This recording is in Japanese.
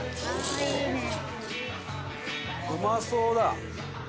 うまそうだ！